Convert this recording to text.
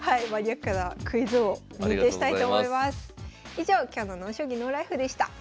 以上今日の「ＮＯ将棋ＮＯＬＩＦＥ」でした。